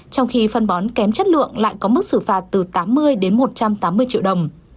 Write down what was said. trong khi phân bón kém chất lượng lại có mức xử phạt từ tám mươi đến một trăm tám mươi triệu đồng